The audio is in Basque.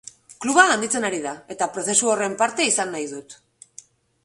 Kluba handitzen ari da, eta prozesu horren parte izan nahi dut.